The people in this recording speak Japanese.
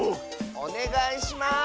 おねがいします！